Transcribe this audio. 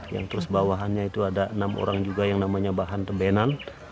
yang terus bawahannya itu ada enam orang juga yang namanya bahan tebenan